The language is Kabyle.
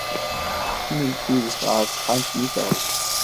Mi tudef ɣer texxamt-nni, teɣli.